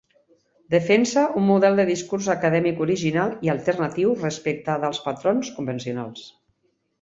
Defense un model de discurs acadèmic original i alternatiu respecte dels patrons convencionals.